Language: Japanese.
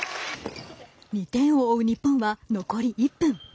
２点を追う日本は残り１分。